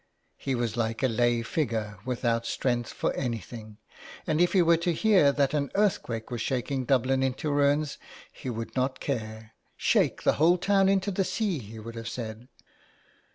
He was like a lay figure, without strength for anything, and if he were to hear that an earthquake was shaking Dublin into ruins he would not care. " Shake the whole town into the sea," he would have said.